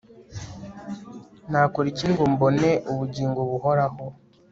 nakora iki ngo mbone ubugingo buhoraho